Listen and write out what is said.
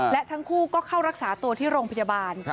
และทั้งคู่ก็เข้ารักษาตัวที่โรงพยาบาล